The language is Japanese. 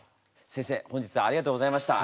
先生本日はありがとうございました。